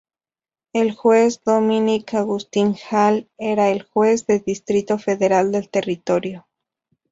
El juez Dominic Augustin Hall era el Juez de Distrito Federal del Territorio.